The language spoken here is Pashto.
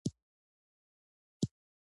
د غزني په قره باغ کې د سرو زرو نښې شته.